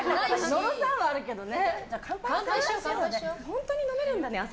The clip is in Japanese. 野呂さんはあるけどね。